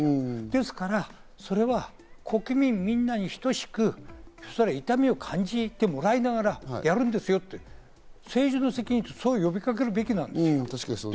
ですからそれは、国民みんなに等しく、痛みを感じてもらいながらやるんですよと、政治の責任って、そう呼びかけるべきなんですよ。